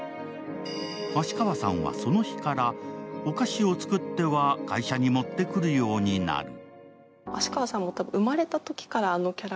芦川さんはその日から、お菓子を作っては会社に持ってくるようになる。